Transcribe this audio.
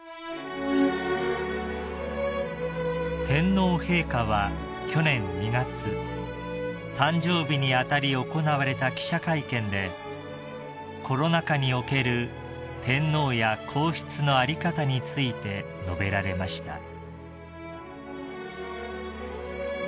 ［天皇陛下は去年２月誕生日に当たり行われた記者会見でコロナ禍における天皇や皇室の在り方について述べられました］